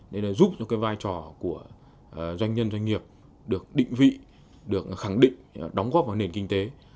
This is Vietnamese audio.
để giúp cho vai trò của doanh nhân doanh nghiệp được định vị được khẳng định đóng góp vào nền kinh tế